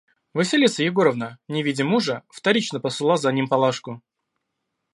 Василиса Егоровна, не видя мужа, вторично послала за ним Палашку.